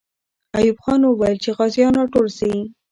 ایوب خان وویل چې غازیان راټول سي.